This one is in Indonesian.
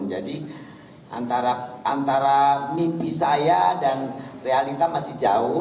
jadi antara mimpi saya dan realita masih jauh